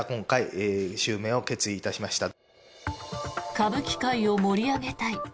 歌舞伎界を盛り上げたい。